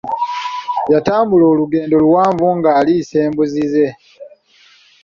Yatambula olugendo luwanvu ng'aliisa embuzi ze.